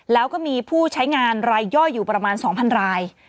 แล้วก็มีผู้ใช้งานรายย่อยอยู่ประมาณ๒๐๐ราย